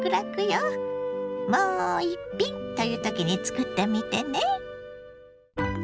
「もう一品」という時に作ってみてね。